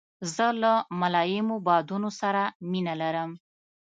زه له ملایمو بادونو سره مینه لرم.